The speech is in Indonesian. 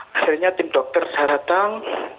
akhirnya tim dokter saya datang